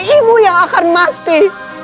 ibu yang akan mati